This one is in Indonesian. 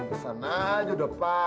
yuk main dong